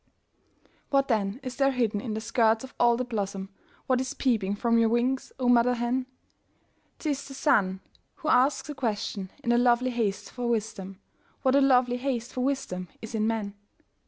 What then is there hidden in the skirts of all the blossom, What is peeping from your wings, oh mother hen? 'T is the sun who asks the question, in a lovely haste for wisdom What a lovely haste for wisdom is in men?